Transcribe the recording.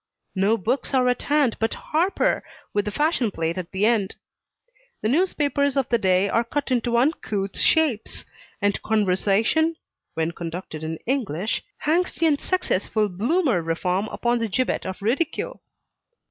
No books are at hand but Harper, with the fashion plate at the end; the newspapers of the day are cut into uncouth shapes; and conversation (when conducted in English) hangs the unsuccessful Bloomer reform upon the gibbet of ridicule.